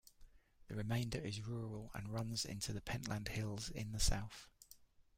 The remainder is rural, and runs into the Pentland Hills in the south.